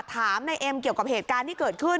ถามนายเอ็มเกี่ยวกับเหตุการณ์ที่เกิดขึ้น